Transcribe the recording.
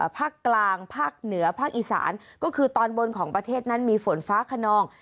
ภาคกลางภาคเหนือภาคอีสานก็คือตอนบนของประเทศนั้นมีฝนฟ้าขนอง